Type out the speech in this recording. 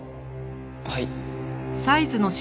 はい？